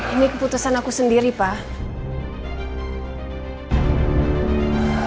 ini keputusan aku sendiri pak